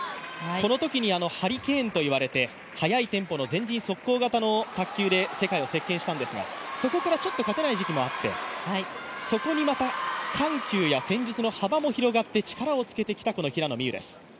このときにハリケーンと言われて速いテンポの前陣速攻型の攻撃で世界を席巻したんですが、そこからちょっと勝てない時期もあってそこにまた緩急や戦術の幅も広がって力もつけてきた平野美宇です。